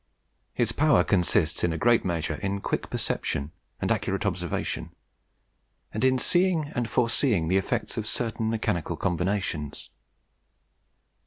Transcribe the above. His power consists in a great measure in quick perception and accurate observation, and in seeing and foreseeing the effects of certain mechanical combinations.